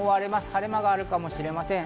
晴れ間があるかもしれません。